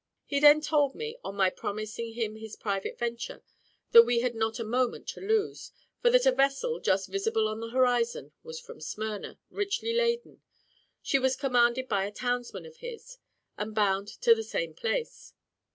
He then told me, on my promising him his private venture, that we had not a moment to lose, for that a vessel, just visible on the horizon, was from Smyrna, richly laden; she was commanded by a townsman of his, and bound to the same place.